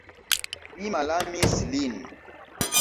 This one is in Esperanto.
Mi malamis lin.